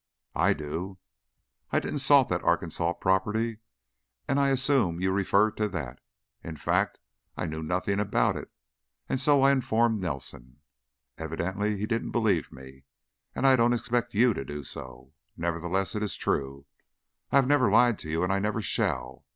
"I do. I didn't salt that Arkansas property and I assume you refer to that. In fact, I knew nothing about it, and I so informed Nelson. Evidently he didn't believe me, and I don't expect you to do so. Nevertheless, it is true. I have never lied to you, and I never shall.